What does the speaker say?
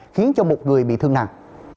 khiến cho một người bị thương nặng